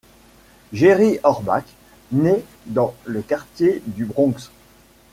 Jerry Orbach naît dans le quartier du Bronx.